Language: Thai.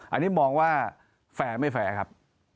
อันนี้มองว่าแฟร์ไม่แฟร์ครับ